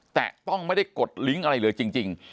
แต่ต้องไม่ได้กดลิงก์อะไรเลยจริง